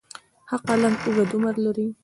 ښه قلم اوږد عمر لري.